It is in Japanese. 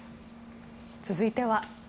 続いては。